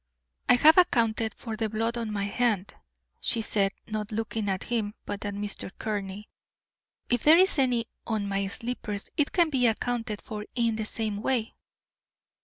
"I have accounted for the blood on my hand," she said, not looking at him, but at Mr. Courtney. "If there is any on my slippers it can be accounted for in the same way."